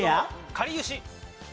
かりゆし。